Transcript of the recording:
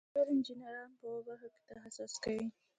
سیول انجینران په اوو برخو کې تخصص کوي.